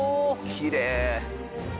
きれい！